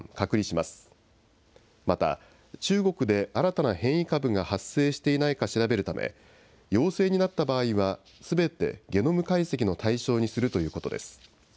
また、中国で新たな変異株が発生していないか調べるため、陽性になった場合は、すべてゲノム解析の対象にするということです。